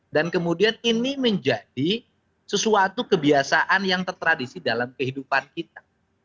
dan kemudian ini menjadi sesuatu kebiasaan yang tertradisi dalam kehidupan kita